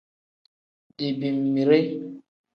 Digbeemire.